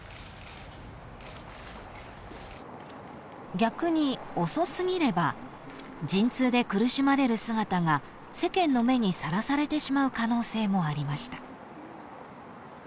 ［逆に遅過ぎれば陣痛で苦しまれる姿が世間の目にさらされてしまう可能性もありました］